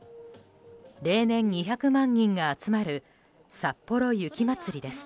例年２００万人が集まるさっぽろ雪まつりです。